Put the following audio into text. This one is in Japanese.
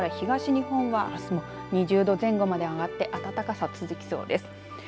そのほかの西日本から東日本はあすも２０度前後まで上がって暖かさは続きそうです。